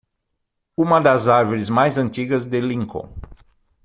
Uma das árvores mais antigas de Lincoln.